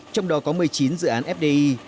trong đó có một mươi chín dự án fdi